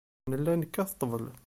Nella nekkat ḍḍbel.